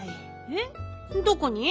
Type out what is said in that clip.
えっどこに？